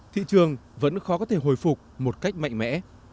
thị trường vẫn khó có thể hồi phục một cách mạnh mẽ